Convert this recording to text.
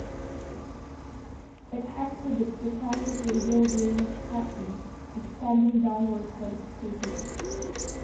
It exhibits the classic radial drainage pattern, extending downward from its crater.